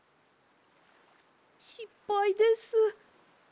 しっぱいです。